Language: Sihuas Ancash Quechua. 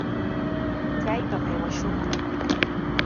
¡Chaypami aywakushqa!